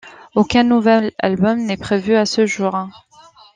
Aucun nouvel album n'est prévu à ce jour.